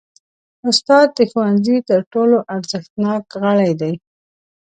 استاد د ښوونځي تر ټولو ارزښتناک غړی دی.